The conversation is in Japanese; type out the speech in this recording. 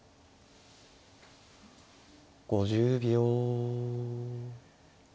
５０秒。